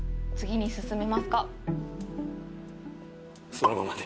そのままで。